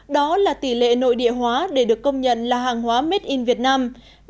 đó là tỷ lệ nội địa hóa để được công nhận là hàng hóa made in vietnam